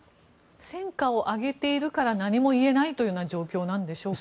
戦果を上げているから何も言えないということなのでしょうか？